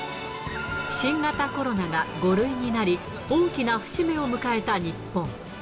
新型コロナが５類になり、大きな節目を迎えた日本。